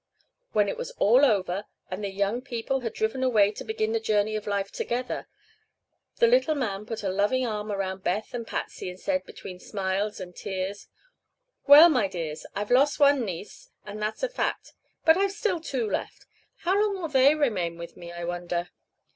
When it was all over, and the young people had driven away to begin the journey of life together, the little man put a loving arm around Beth and Patsy and said, between smiles and tears: "Well, my dears, I've lost one niece, and that's a fact; but I've still two left. How long will they remain with me, I wonder?"